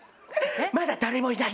まだ誰もいない。